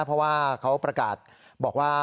เพราะว่าเขาประกาศบอกว่า